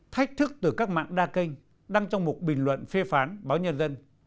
thách thức từ các mạng đa kênh đăng trong một bình luận phê phán báo nhân dân